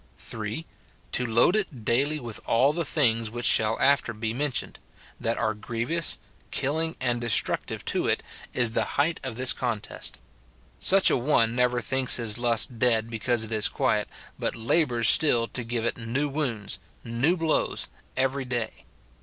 [3.] To load it daily with all the things which shall after be mentioned, that are grievous, killing, and de structive to it, is the height of this contest. Such a one never thinks his lust dead because it is quiet, but labours still to give it new wounds, new blows every day.